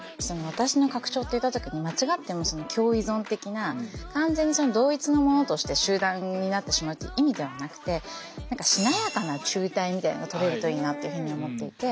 私の拡張って言った時に間違っても共依存的な完全に同一のものとして集団になってしまうという意味ではなくてしなやかな紐帯みたいなのが取れるといいなっていうふうに思っていて。